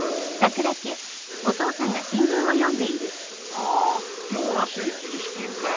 ああ今日は成人式か。